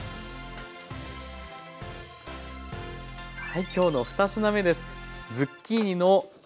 はい今日の２品目です。